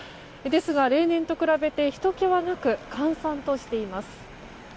ですが、例年と比べてひとけはなく閑散としています。